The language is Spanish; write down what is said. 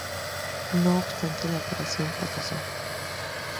No obstante, la operación fracasó.